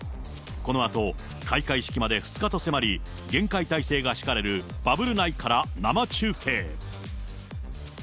このあと、開会式まで２日と迫り、厳戒態勢が敷かれるバブル内から生中継。